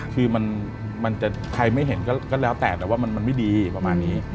คือมันจะใครไม่เห็นก็แล้วแต่แต่ว่ามันไม่ดีประมาณนี้